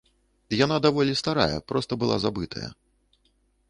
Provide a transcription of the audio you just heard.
Яна даволі старая, проста была забытая.